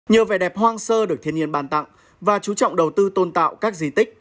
nhiều vẻ đẹp hoang sơ được thiên nhiên bàn tặng và chú trọng đầu tư tôn tạo các di tích